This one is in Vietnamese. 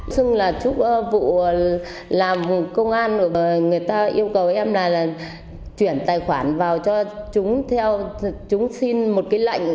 xưng là chúc vụ làm công an người ta yêu cầu em là chuyển tài khoản vào cho chúng theo chúng xin một cái lệnh